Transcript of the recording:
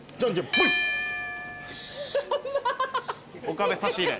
岡部差し入れ。